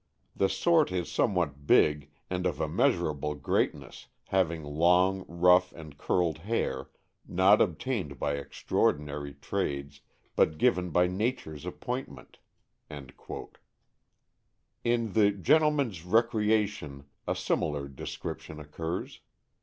The sort is somewhat big, and of a measurable greatness, having long, rough, and curled hair, not obtained by extraordinary trades, but given by nature's appointment." In the Gen tleman" s Recreation a similar description occurs.